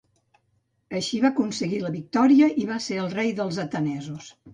Així va aconseguir la victòria i va ser rei dels atenesos.